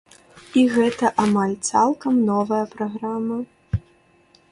І гэта амаль цалкам новая праграма.